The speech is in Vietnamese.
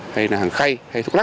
hay là hàng khay hay thuốc lắc